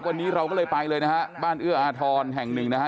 วันนี้เราก็เลยไปเลยนะฮะบ้านเอื้ออาทรแห่งหนึ่งนะฮะ